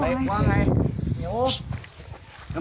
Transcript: แล้วมึงจะจ่ายเขาไหม